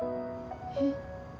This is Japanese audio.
えっ？